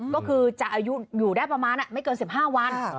ก็คือจะอายุอยู่ได้ประมาณไม่เกิน๑๕วัน